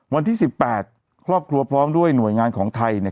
วันที่๑๘ครอบครัวพร้อมด้วยหน่วยงานของไทยเนี่ย